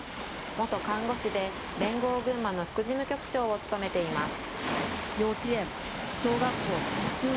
元看護師で、連合群馬の副事務局長を務めています。